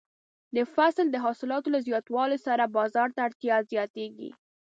د فصل د حاصلاتو له زیاتوالي سره بازار ته اړتیا هم زیاتیږي.